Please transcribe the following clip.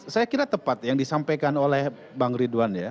saya kira tepat yang disampaikan oleh bang ridwan ya